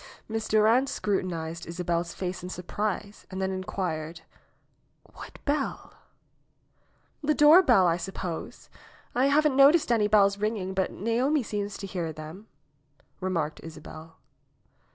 Miss Durand scrutinized Isabel's face in surprise and then inquired, '^What bell?" ^^The doorbell, I suppose. I haven't noticed any bells ringing, but Naomi seems to hear them," remarked Isabel.